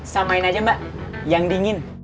samain aja mbak yang dingin